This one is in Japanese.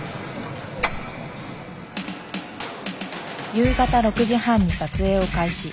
夕方６時半に撮影を開始。